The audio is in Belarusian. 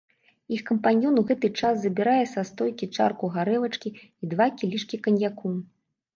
Іх кампаньён ў гэты час забірае са стойкі чарку гарэлачкі і два кілішкі каньяку.